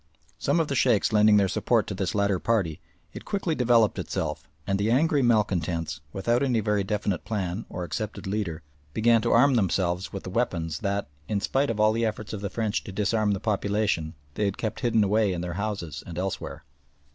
Some of the Sheikhs lending their support to this latter party, it quickly developed itself, and the angry malcontents, without any very definite plan or accepted leader, began to arm themselves with the weapons that, in spite of all the efforts of the French to disarm the population, they had kept hidden away in their houses and elsewhere.